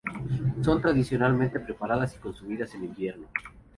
Son tradicionalmente preparadas y consumidas en invierno.